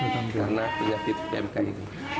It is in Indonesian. karena penyakit pmk ini